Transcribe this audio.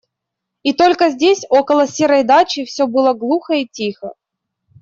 И только здесь, около серой дачи, все было глухо и тихо.